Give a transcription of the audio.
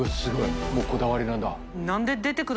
もうこだわりなんだ。